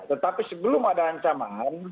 tetapi sebelum ada ancaman